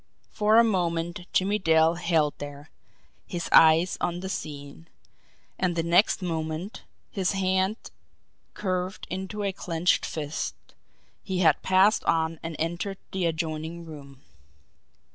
For a moment Jimmie Dale held there, his eyes on the scene and the next moment, his hand curved into a clenched fist, he had passed on and entered the adjoining room.